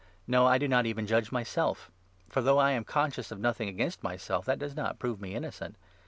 No, I do not even judge myself ; for, though I am 4 conscious of nothing against myself, that does not prove me innocent.